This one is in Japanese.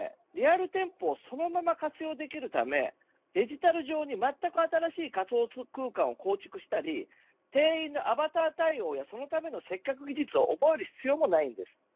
さらにですね、リアル店舗をそのまま活用できるためデジタル上にまったく新しい仮想空間を構築したり店員のアバター対応のそのための接客技術を覚える必要もないんです。